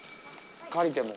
借りても。